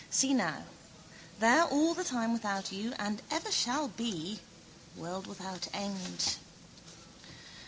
See now. There all the time without you: and ever shall be, world without end.